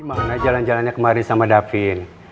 gimana jalan jalannya kemarin sama davin